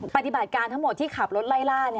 ปฏิบัติการทั้งหมดที่ขับรถไล่ล่า